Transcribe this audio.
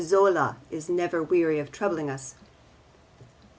Zola is never weary of troubling us.